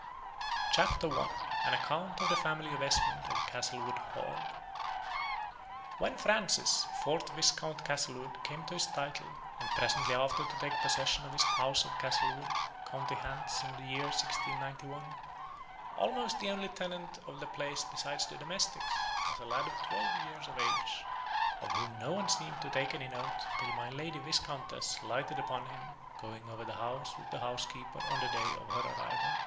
CHAPTER I. AN ACCOUNT OF THE FAMILY OF ESMOND OF CASTLEWOOD HALL. When Francis, fourth Viscount Castlewood, came to his title, and presently after to take possession of his house of Castlewood, county Hants, in the year 1691, almost the only tenant of the place besides the domestics was a lad of twelve years of age, of whom no one seemed to take any note until my Lady Viscountess lighted upon him, going over the house with the housekeeper on the day of her arrival.